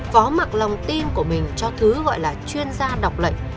vó mạng lòng tim của mình cho thứ gọi là chuyên gia đọc lệnh